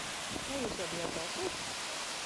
Vai jūs jau bijāt balsot?